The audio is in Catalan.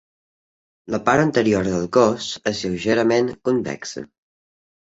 La part anterior del cos és lleugerament convexa.